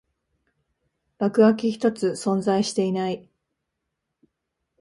落書き一つ存在していない